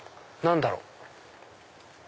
何だろう？